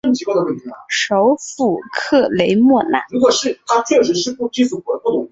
首府克雷莫纳。